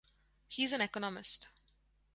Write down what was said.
He is an Economist.